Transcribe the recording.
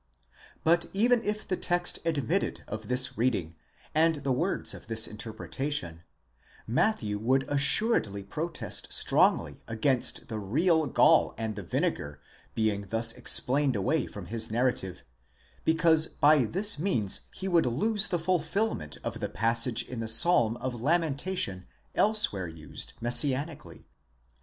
1® But even if the text admitted of this reading, and the words of this interpretation, Matthew would assuredly protest strongly against the real gall and the vinegar being thus explained away from his narrative, because by this means he would lose the fulfilment of the passage in the psalm of lamentation elsewhere used messianically : (LXX.)